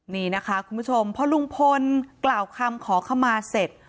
นี่นะคะคุณผู้ชมพอลุงพลกล่าวคำขอขมาเสร็จ